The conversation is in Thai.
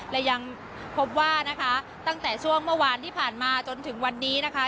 และยังพบว่านะคะตั้งแต่ช่วงเมื่อวานที่ผ่านมาจนถึงวันนี้นะคะ